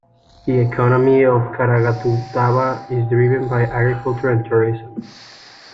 The economy of the Caraguatatuba is driven by agriculture and tourism.